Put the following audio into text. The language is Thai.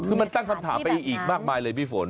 ก็มันเติมถามไปอีกมากมายเลยพี่ฝน